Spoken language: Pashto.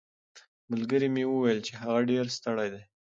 ملګري مې وویل چې هغه ډېر ستړی دی.